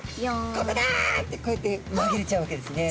「ここだ」ってこうやってまぎれちゃうわけですね。